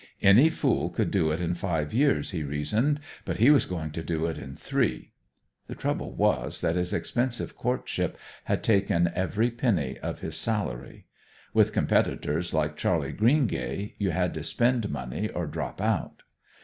Any fool could do it in five years, he reasoned, but he was going to do it in three. The trouble was that his expensive courtship had taken every penny of his salary. With competitors like Charley Greengay, you had to spend money or drop out.